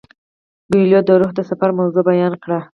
کویلیو د روح د سفر موضوع بیان کړه.